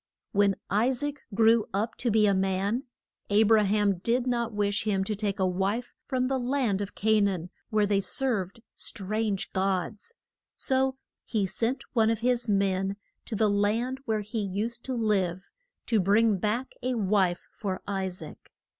When I saac grew up to be a man, A bra ham did not wish him to take a wife from the land of Ca naan where they served strange gods. So he sent one of his men to the land where he used to live to bring back a wife for I saac.